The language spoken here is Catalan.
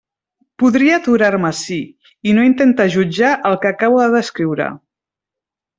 Podria aturar-me ací i no intentar jutjar el que acabo de descriure.